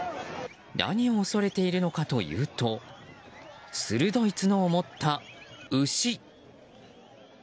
何を恐れているのかというと鋭い角を持った牛。